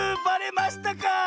ばれましたか。